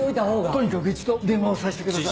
とにかく一度電話をさせてください。